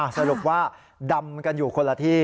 สรุปว่าดำกันอยู่คนละที่